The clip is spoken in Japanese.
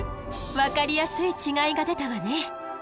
分かりやすい違いが出たわね。